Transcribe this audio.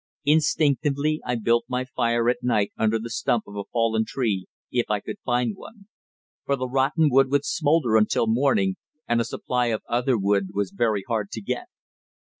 Instinctively I built my fire at night under the stump of a fallen tree, if I could find one; for the rotten wood would smoulder until morning, and a supply of other wood was very hard to get.